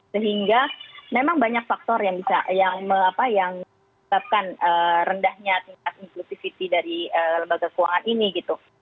sehingga memang banyak faktor yang bisa menyebabkan rendahnya tingkat inklusivity dari lembaga keuangan ini gitu